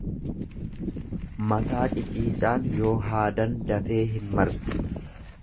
Mataa qiciicaan yoo haadan dafee hinmargu.